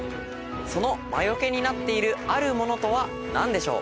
その魔よけになっているあるものとは何でしょう？